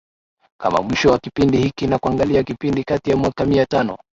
kama mwisho wa kipindi hiki na kuangalia kipindi kati ya mwaka mia tano